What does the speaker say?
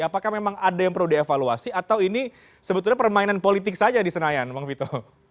apakah memang ada yang perlu dievaluasi atau ini sebetulnya permainan politik saja di senayan bang vito